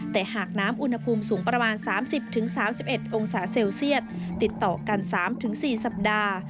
แต่หากน้ำอุณหภูมิสูงประมาณ๓๐๓๑องศาเซลเซียตติดต่อกัน๓๔สัปดาห์